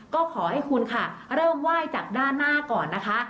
ก็ขอให้คุณค่ะเริ่มไหว้จากด้านหน้าก่อนนะคะ